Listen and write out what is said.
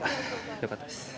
良かったです。